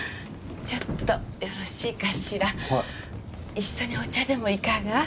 一緒にお茶でもいかが？